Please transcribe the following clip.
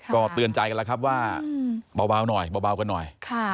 ก็เตือนใจกันแล้วครับว่าเบาหน่อยเบากันหน่อย